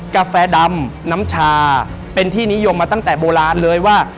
กาแฟดำน้ำชาเป็นที่นิยมมาตั้งแต่โบราณเลยว่า